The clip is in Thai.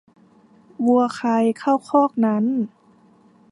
วัวใครเข้าคอกนั้น